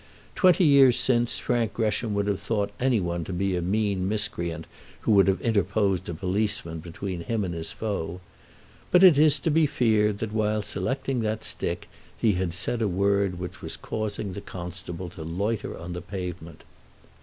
Twenty years since Frank Gresham would have thought any one to be a mean miscreant who would have interposed a policeman between him and his foe. But it is to be feared that while selecting that stick he had said a word which was causing the constable to loiter on the pavement!